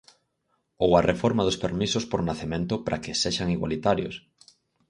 Ou a reforma dos permisos por nacemento para que sexan igualitarios.